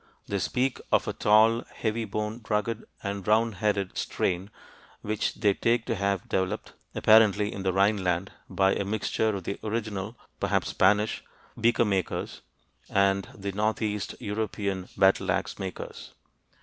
They speak of a "... tall, heavy boned, rugged, and round headed" strain which they take to have developed, apparently in the Rhineland, by a mixture of the original (Spanish?) beaker makers and the northeast European battle axe makers.